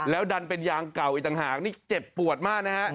ดันเป็นยางเก่าอีกต่างหากนี่เจ็บปวดมากนะฮะ